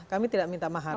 kami tidak minta mahar